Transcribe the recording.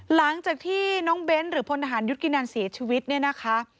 หลังจากที่น้องเบ้นหรือพนธรรมยุติกินาลศีรชีวิตนี่นะคะ